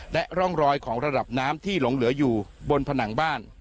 และร่องรอยของระดับน้ำที่หลงเหลืออยู่บนผนังบ้าน